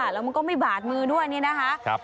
แล้วก็ไม่บาดมื้อด้วยเนี่ยนะค่ะ